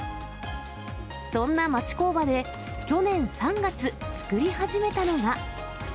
そんな町工場で去年３月、作り始めたのが。